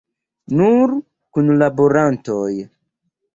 Nur kunlaborantoj.